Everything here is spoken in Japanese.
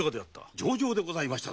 上々でございましたぞ。